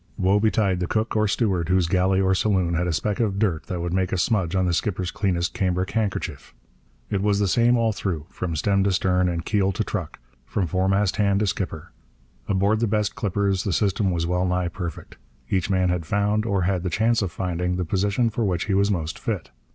Woe betide the cook or steward whose galley or saloon had a speck of dirt that would make a smudge on the skipper's cleanest cambric handkerchief! It was the same all through, from stem to stern and keel to truck, from foremast hand to skipper. Aboard the best clippers the system was well nigh perfect. Each man had found, or had the chance of finding, the position for which he was most fit.